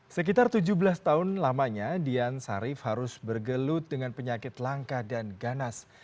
sekitar tujuh belas tahun lamanya dian sarif harus bergelut dengan penyakit langka dan ganas